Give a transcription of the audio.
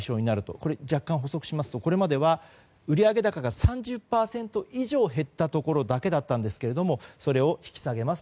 これ、若干捕捉しますとこれまでは売上高が３０％以上減ったところだけだったんですけれどもそれを引き下げます。